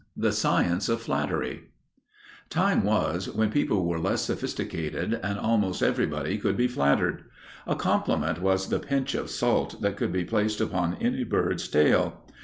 *The Science of Flattery* Time was when people were less sophisticated and almost everybody could be flattered. A compliment was the pinch of salt that could be placed upon any bird's tail.